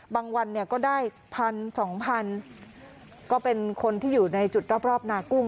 วันเนี่ยก็ได้พันสองพันก็เป็นคนที่อยู่ในจุดรอบนากุ้ง